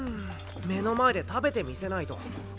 目の前で食べてみせないと。